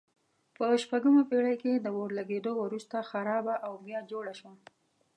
په شپږمه پېړۍ کې د اور لګېدو وروسته خرابه او بیا جوړه شوه.